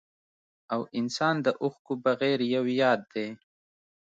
او انسان د اوښکو بغير يو ياد دی